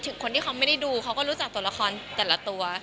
คนที่เขาไม่ได้ดูเขาก็รู้จักตัวละครแต่ละตัว